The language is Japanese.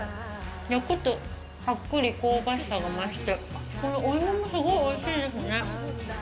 焼くと、さっくり香ばしさが増して、このお芋も、すごいおいしいですね。